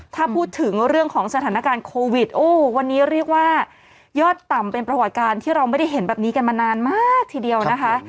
ถ้าพูดถึงเรื่องของสถานการณ์โควิดโอ้วันนี้เรียกว่ายอดต่ำเป็นประวัติการที่เราไม่ได้เห็นแบบนี้กันมานานมากทีเดียวนะคะ